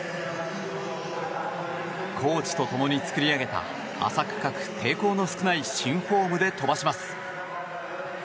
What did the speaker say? コーチと共に作り上げた浅くかく抵抗の少ない新フォームで飛ばします。